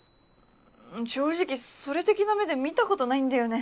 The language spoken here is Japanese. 正直それ的な目で見たことないんだよね。